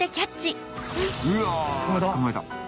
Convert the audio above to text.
うわつかまえた。